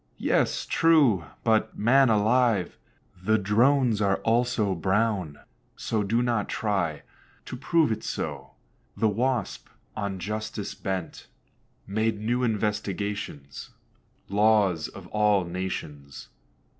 "Yes, true; but, man alive, The Drones are also brown; so do not try To prove it so." The Wasp, on justice bent, Made new investigations (Laws of all nations).